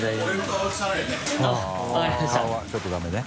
顔はちょっとダメね。